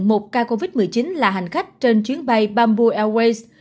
một ca covid một mươi chín là hành khách trên chuyến bay bamboo airways